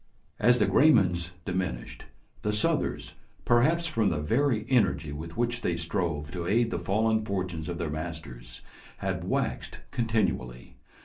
As the Graymans diminished, the Southers, perhaps from the very energy with which they strove to aid the fallen fortunes of their masters, had waxed continually.